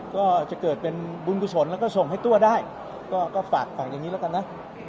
ก็จะเกิดเป็นบุญกุศลแล้วก็ส่งให้ตัวได้ก็ฝากฝั่งอย่างนี้แล้วกันนะ